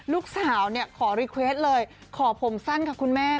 ลูกสาวขอรีเควตเลยขอผมสั้นค่ะคุณแม่